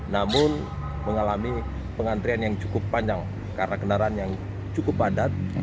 namun mengalami pengantrian yang cukup panjang karena kendaraan yang cukup padat